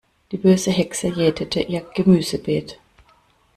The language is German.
Die böse Hexe jätete ihr Gemüsebeet.